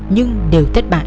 nhưng đều thất bại